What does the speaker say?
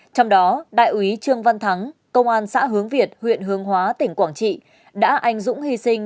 trong đó đại úy trương văn thắng công an xã hướng việt huyện hướng hóa tỉnh quảng trị đã anh dũng hy sinh